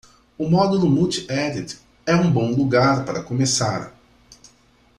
O módulo multi-edit é um bom lugar para começar.